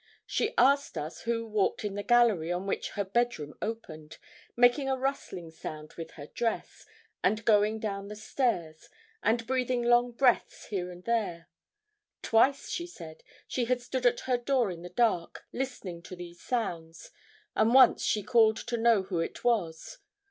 She asked us who walked in the gallery on which her bed room opened, making a rustling with her dress, and going down the stairs, and breathing long breaths here and there. Twice, she said, she had stood at her door in the dark, listening to these sounds, and once she called to know who it was.